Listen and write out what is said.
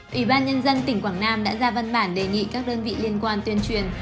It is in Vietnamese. ủy ban nhân dân tỉnh quảng nam đã ra văn bản đề nghị các đơn vị liên quan tuyên truyền